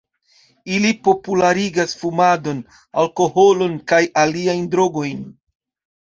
Ili popularigas fumadon, alkoholon kaj aliajn drogojn.